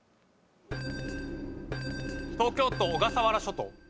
東京都小笠原諸島。